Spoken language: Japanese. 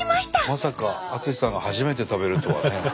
まさか淳さんが初めて食べるとはね。